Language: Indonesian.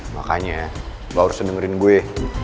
makanya lo harus dengerin gue